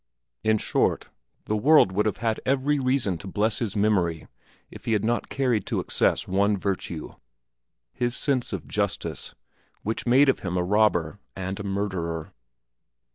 In short, the world would have had every reason to bless his memory if he had not carried to excess one virtue his sense of justice, which made of him a robber and a murderer.